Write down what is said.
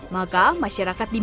maka masyarakat dibikin